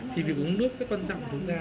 thì vì uống nước rất quan trọng cho chúng ta